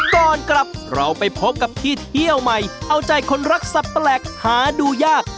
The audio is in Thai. ก่อนกลับเราไปพบกับที่เที่ยวใหม่เอาใจคนรักสัตว์แปลกหาดูยาก